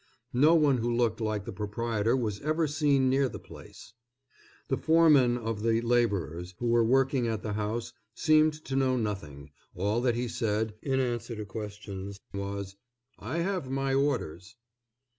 No one who looked like the proprietor was ever seen near the place. The foreman of the laborers who were working at the house seemed to know nothing; all that he said, in answer to questions, was: "I have my orders."